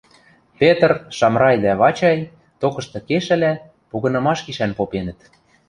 Петр, Шамрай дӓ Вачай, токышты кешӹлӓ, погынымаш гишӓн попенӹт.